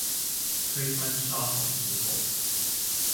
推翻沙皇之後